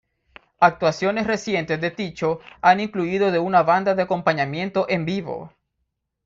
Actuaciones recientes de Tycho han incluido de una banda de acompañamiento en vivo.